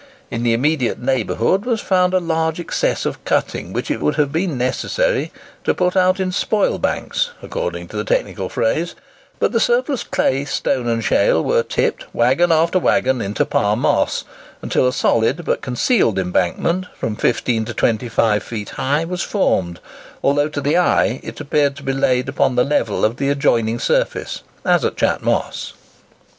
In the immediate neighbourhood was found a large excess of cutting, which it would have been necessary to "put out in spoil banks" (according to the technical phrase); but the surplus clay, stone, and shale, were tipped, waggon after waggon, into Parr Moss, until a solid but concealed embankment, from fifteen to twenty five feet high, was formed, although to the eye it appears to be laid upon the level of the adjoining surface, as at Chat Moss.